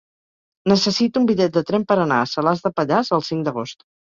Necessito un bitllet de tren per anar a Salàs de Pallars el cinc d'agost.